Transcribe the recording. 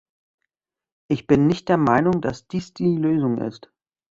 Ich bin nicht der Meinung, dass dies die Lösung ist.